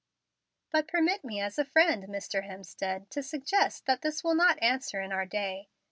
But permit me as a friend, Mr. Hemstead, to suggest that this will not answer in our day.